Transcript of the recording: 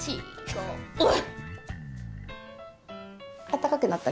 うん。